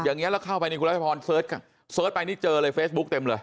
อย่างนี้แล้วเข้าไปในกุรัฐพรเซิร์ชไปนี่เจอเลยเฟซบุ๊คเต็มเลย